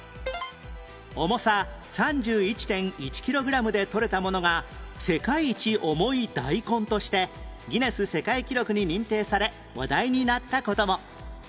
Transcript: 重さ ３１．１ キログラムでとれたものが世界一重い大根としてギネス世界記録に認定され話題になった事も